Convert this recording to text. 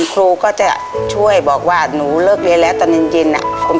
ครูก็จะช่วยบอกว่าหนูเลิกเรียนแล้วตอนเย็น